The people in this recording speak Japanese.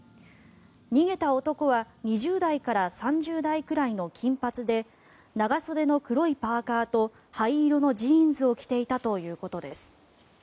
逃げた男は２０代から３０代くらいの金髪で長袖の黒いパーカと灰色のジーンズを着ていたということです。